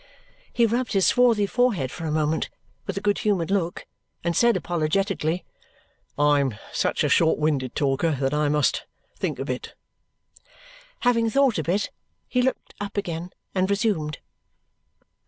He rubbed his swarthy forehead for a moment with a good humoured look and said apologetically, "I am such a short winded talker that I must think a bit." Having thought a bit, he looked up again and resumed.